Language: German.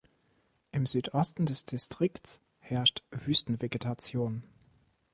Im Südosten des Distrikts herrscht Wüstenvegetation.